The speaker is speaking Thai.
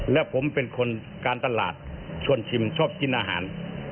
และผมเป็นคนการตลาดชวนชิมชอบกินอาหาร